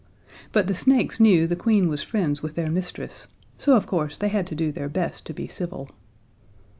But the snakes knew the Queen was friends with their mistress; so, of course, they had to do their best to be civil.